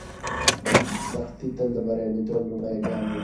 سختي تل د بریالیتوب لومړی ګام وي.